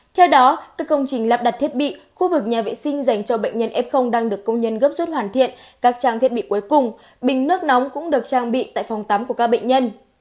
theo đó các công trình lắp đặt thiết bị khu vực nhà vệ sinh dành cho bệnh nhân f đang được công nhân gấp rút hoàn thiện các trang thiết bị cuối cùng bình nước nóng cũng được trang bị tại phòng tắm của các bệnh nhân